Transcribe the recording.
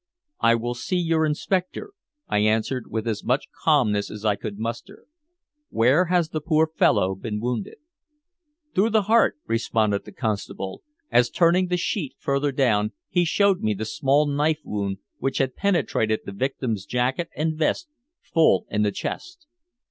"I will see your inspector," I answered with as much calmness as I could muster. "Where has the poor fellow been wounded?" "Through the heart," responded the constable, as turning the sheet further down he showed me the small knife wound which had penetrated the victim's jacket and vest full in the chest.